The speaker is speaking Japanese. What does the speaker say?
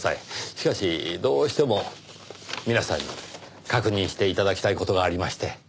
しかしどうしても皆さんに確認して頂きたい事がありまして。